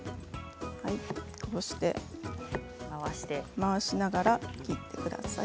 回しながら切ってください。